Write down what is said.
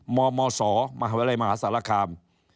มมศมหาวิทยาลัยมหาสารคาม